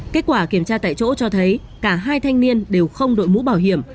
kết quả kiểm tra tại chỗ cho thấy cả hai thanh niên đều không đội mũ bảo hiểm